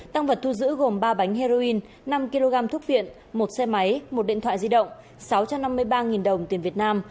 tăng vật thu giữ gồm ba bánh heroin năm kg thuốc viện một xe máy một điện thoại di động sáu trăm năm mươi ba đồng tiền việt nam